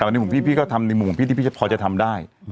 แต่วันนี้ผมพี่ก็ทำในมุมของพี่ที่พี่พอจะทำได้